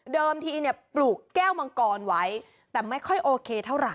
เดิมทีปลูกแก้วมังกรไว้แต่ไม่ค่อยโอเคเท่าไหร่